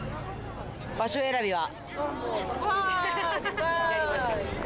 場所選びは？